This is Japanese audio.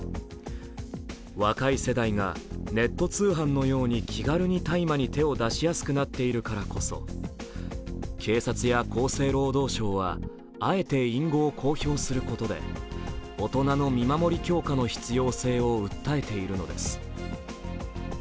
若い世代がネット通販のように気軽に大麻に手を出しやすくなっているからこそ警察や厚生労働省はあえて隠語を公表することで大人の見守り強化の必要性を訴えているのです。